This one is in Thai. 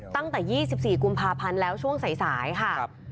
ตั้งแต่ยี่สิบสี่กุมภาพันธ์แล้วช่วงสายสายค่ะครับ